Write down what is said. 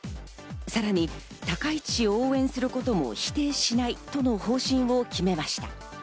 さらに高市氏を応援することも否定しないとの方針を決めました。